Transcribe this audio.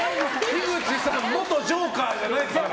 樋口さん元ジョーカーじゃないから。